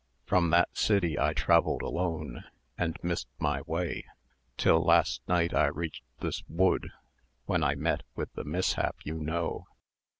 From that city I travelled alone, and missed my way, till last night I reached this wood, when I met with the mishap you know.